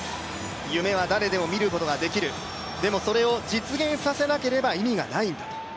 夢は誰でもみることができるでも、それを実現させなければ意味がないんだと。